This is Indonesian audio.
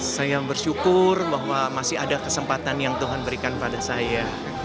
saya bersyukur bahwa masih ada kesempatan yang tuhan berikan pada saya